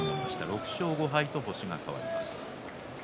６勝５敗と星が変わりました。